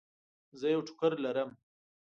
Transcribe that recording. زه یو ټوکر لرم.